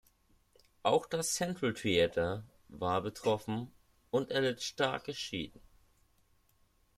Auch das Centraltheater war betroffen und erlitt starke Schäden.